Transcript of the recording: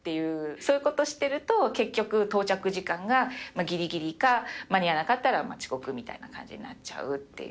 そういうことしてると結局到着時間がぎりぎりか、間に合わなかったら遅刻みたいな感じになっちゃうっていう。